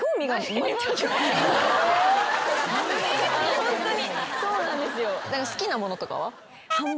今ホントに。